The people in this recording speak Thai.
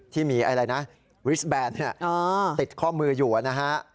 ที่มีอะไรนะวิสแบนติดข้อมืออยู่นะฮะ